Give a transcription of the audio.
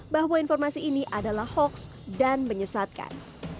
bahwa informasi ini adalah hoaks dan menyesatkan